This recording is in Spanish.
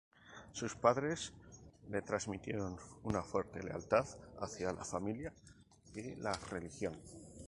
Sus padres le transmitieron una fuerte lealtad hacia la familia y la religión.